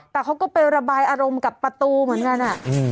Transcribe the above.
แต่เขาก็ไประบายอารมณ์กับประตูเหมือนกัน